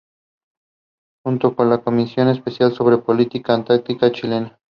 Junto con la Comisión Especial sobre Política Antártica Chilena.